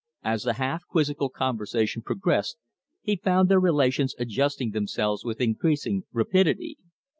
As the half quizzical conversation progressed, he found their relations adjusting themselves with increasing rapidity.